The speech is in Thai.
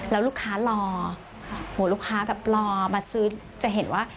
แล้วลูกค้ารอลูกค้าแบบรอมาซื้อจะเห็นว่า